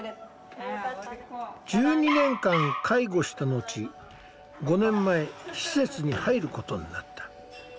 １２年間介護をした後５年前施設に入ることになった。